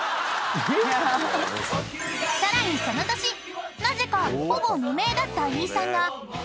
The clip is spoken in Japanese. ［さらにその年なぜかほぼ無名だった飯さんが］